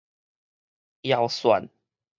遙算